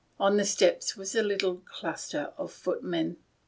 On the steps was a little cluster of footmen.